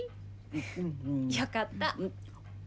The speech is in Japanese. よかった。